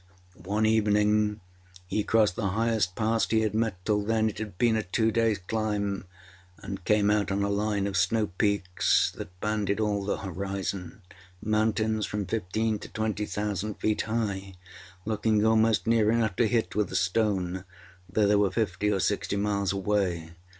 One evening he crossed the highest pass he had met till then it had been a two dayâs climb and came out on a line of snow peaks that banded all the horizon mountains from fifteen to twenty thousand feet high, looking almost near enough to hit with a stone, though they were fifty or sixty miles away.